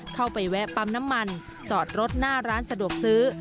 แวะปั๊มน้ำมันจอดรถหน้าร้านสะดวกซื้อ